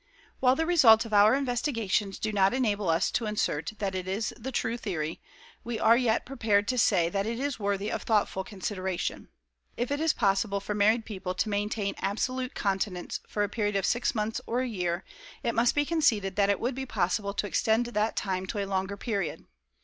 While the results of our investigations do not enable us to assert that it is the true theory, we are yet prepared to say that it is worthy of thoughtful consideration. If it is possible for married people to maintain absolute continence for a period of six months or a year, it must be conceded that it would be possible to extend that time to a longer period.